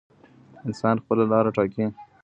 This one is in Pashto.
انسان خپله لاره ټاکي.